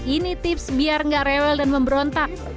ini tips biar nggak rewel dan memberontak